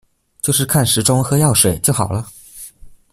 就是看時鐘喝藥水就好了